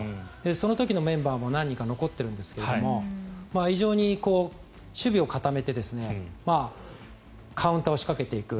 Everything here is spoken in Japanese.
その時のメンバーも何人か残ってるんですが非常に守備を固めてカウンターを仕掛けていく。